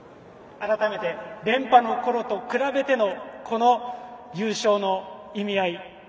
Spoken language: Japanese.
改めて連覇のころと比べてのこの優勝の意味合い